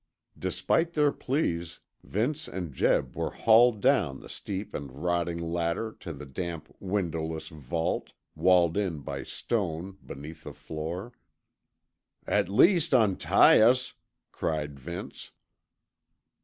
Despite their pleas, Vince and Jeb were hauled down the steep and rotting ladder to the damp windowless vault, walled in by stone, beneath the floor. "At least untie us," cried Vince.